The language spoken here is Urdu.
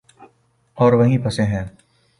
اوروہیں پھنسے ہیں۔